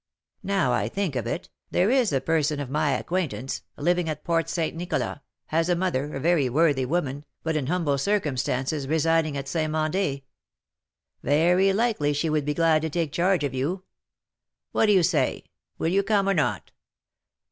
Now I think of it, there is a person of my acquaintance, living at Port St. Nicolas, has a mother, a very worthy woman, but in humble circumstances, residing at St. Mandé: very likely she would be glad to take charge of you. What do you say, will you come or not?"